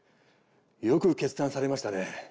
よく決断されましたね